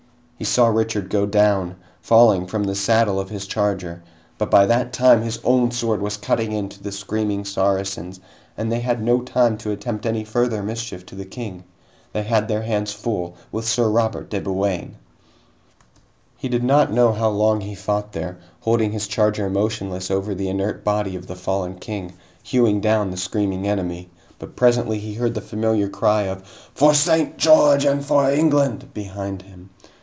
He saw Richard go down, falling from the saddle of his charger, but by that time his own sword was cutting into the screaming Saracens and they had no time to attempt any further mischief to the King. They had their hands full with Sir Robert de Bouain. He did not know how long he fought there, holding his charger motionless over the inert body of the fallen king, hewing down the screaming enemy, but presently he heard the familiar cry of "For St. George and for England" behind him.